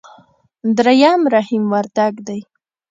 درېم رحيم وردګ دی.